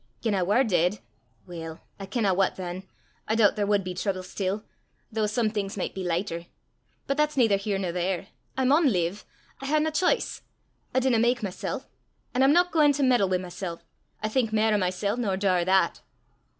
Gien I war deid weel, I kenna what than! I doobt there wad be trible still, though some things micht be lichter. But that's neither here nor there; I maun live; I hae nae ch'ice; I didna mak mysel', an' I'm no gaein' to meddle wi' mysel'! I think mair o' mysel' nor daur that!